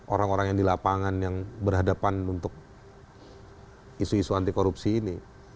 orang orang yang di lapangan yang berhadapan untuk isu isu anti korupsi ini